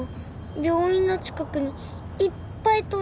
病院の近くにいっぱい飛んでた。